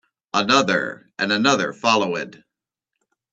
Another and another followed.